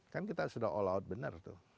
kan kita sudah all out bener tuh